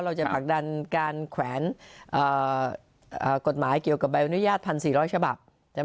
จะผลักดันการแขวนกฎหมายเกี่ยวกับใบอนุญาต๑๔๐๐ฉบับ